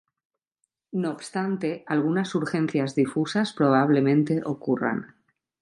No obstante, algunas surgencias difusas probablemente ocurran.